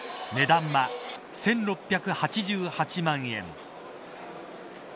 値段は１６８８万円。